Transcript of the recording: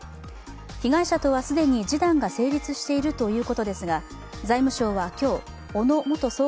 被害者とは既に示談が成立しているということですが財務省は今日、小野元総括